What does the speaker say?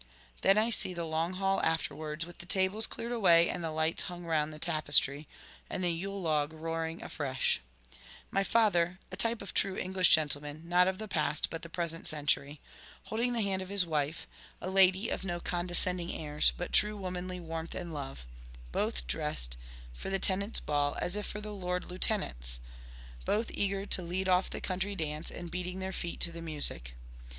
Then I see the long hall afterwards, with the tables cleared away and the lights hung round the tapestry, and the yule log roaring afresh; my father (a type of the true English gentleman, not of the past but the present century), holding the hand of his wife (a lady of no condescending airs, but true womanly warmth and love) both dressed for the tenants' ball as if for the lord lieutenant's; both eager to lead off the country dance, and beating their feet to the music.